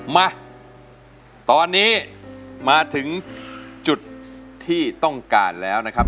มาตอนนี้มาถึงจุดที่ต้องการแล้วนะครับ